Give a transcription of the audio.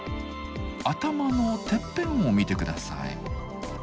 頭のてっぺんを見て下さい。